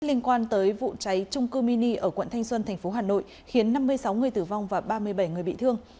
liên quan tới vụ cháy trung cư mini ở quận thanh xuân tp hà nội khiến năm mươi sáu người tử vong và ba mươi bảy người bị thương